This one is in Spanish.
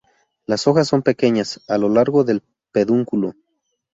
Las hojas son pequeñas a lo largo del pedúnculo.